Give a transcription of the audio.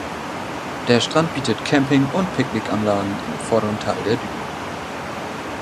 Der Strand bietet Camping- und Picknickanlagen im vorderen Teil der Dünen.